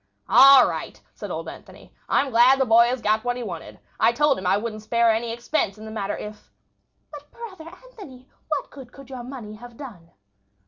"All right," said old Anthony. "I'm glad the boy has got what he wanted. I told him I wouldn't spare any expense in the matter if—" "But, brother Anthony, what good could your money have done?"